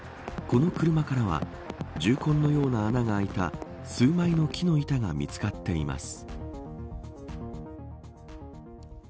この車からは銃痕のような穴が開いた数枚の木の板が見つかっています。